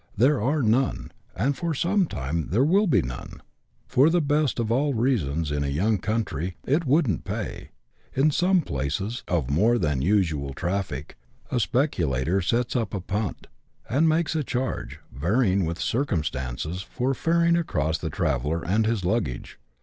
There are none, and for some time will be none, for the best of all reasons in a young country —" it wouldn't pay." In some places, of more than usual traffic, a speculator sets up a punt, and makes a charge, varying with circumstances, for ferrying across the traveller and his luggage.